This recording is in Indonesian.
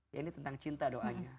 ya ini tentang cinta doanya